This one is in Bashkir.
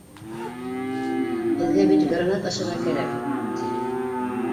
Һеҙгә бит гранат ашарға кәрәк! — ти.